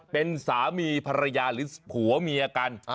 เป็นสามีภรรยาหรือผัวเมียกัน